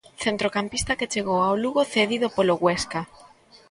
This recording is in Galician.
Centrocampista que chegou ao Lugo cedido polo Huesca.